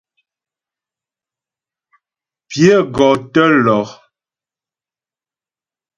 Pyə gɔ tə́ lɔ.